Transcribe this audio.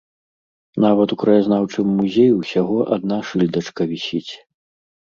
Нават у краязнаўчым музеі ўсяго адна шыльдачка вісіць.